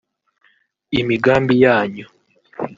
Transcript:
imigambi yanyu